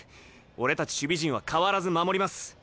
俺たち守備陣は変わらず守ります。